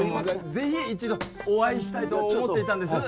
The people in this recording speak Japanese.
ぜひ一度お会いしたいと思っていたんです